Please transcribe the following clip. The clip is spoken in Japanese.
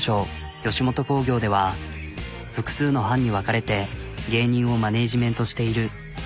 吉本興業では複数の班に分かれて芸人をマネジメントしている。